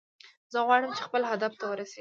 زه غواړم چې خپل هدف ته ورسیږم